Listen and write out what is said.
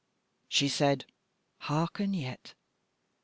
"She said: 'Hearken yet!